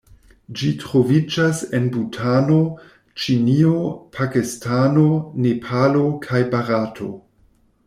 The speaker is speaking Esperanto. Ĝi troviĝas en Butano, Ĉinio, Pakistano, Nepalo kaj Barato.